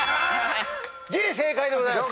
ぎり正解でございます。